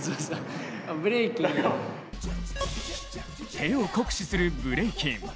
手を酷使するブレイキン。